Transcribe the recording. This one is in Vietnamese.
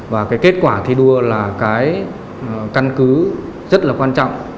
và kết quả thi đua là căn cứ rất quan trọng